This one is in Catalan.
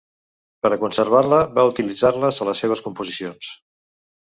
Per a conservar-la, va utilitzar-les a les seves composicions.